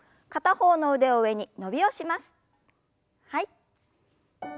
はい。